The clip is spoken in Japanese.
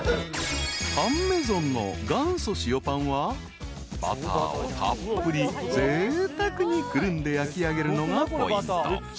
［パン・メゾンの元祖塩パンはバターをたっぷりぜいたくにくるんで焼きあげるのがポイント］